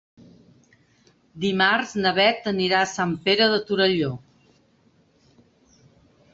Dimarts na Beth anirà a Sant Pere de Torelló.